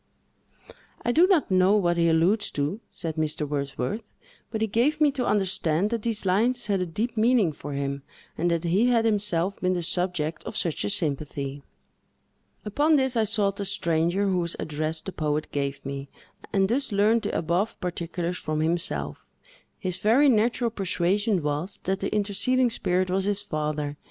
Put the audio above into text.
"I do not know what he alludes to," said Mr. Wordsworth; "but he gave me to understand that these lines had a deep meaning for him, and that he had himself been the subject of such a sympathy." Upon this, I sought the stranger, whose address the poet gave me, and thus learned the above particulars from himself. His very natural persuasion was, that the interceding spirit was his father.